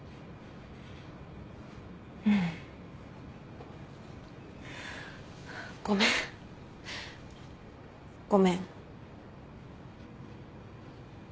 ううん。ごめんごめん。